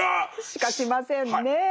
しかしませんね。